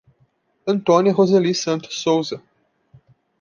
Antônia Roseli Santos Souza